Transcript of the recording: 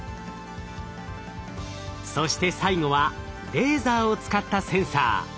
そして最後はレーザーを使ったセンサー。